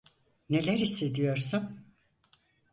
Neler hissediyorsun?